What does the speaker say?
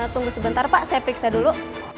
tunggu sebentar pak saya periksa dulu